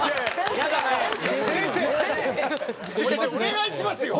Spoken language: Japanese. お願いしますよ！